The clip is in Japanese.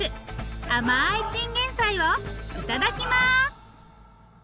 甘いチンゲンサイをいただきます。